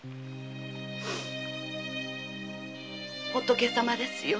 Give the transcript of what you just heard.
仏様ですよ